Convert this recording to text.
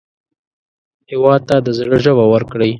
هېواد ته د زړه ژبه ورکړئ